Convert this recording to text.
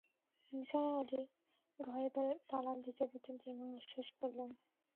নিসার অলি ঘরে তালা দিতে-দিতে দীর্ঘনিঃশ্বাস ফেললেন।